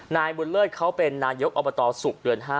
นายบุญเลิศเขาเป็นนายกอบตศุกร์เดือน๕